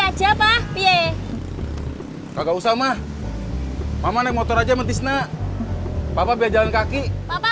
aja pak pie kagak usah mah mama naik motor aja mentis nak papa biar jalan kaki papa